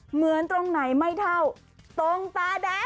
เหมือนตรงไหนไม่เท่าตรงตาแดง